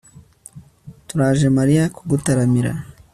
turaje mariya kugutaramira